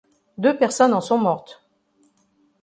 Deux personnes en sont mortes.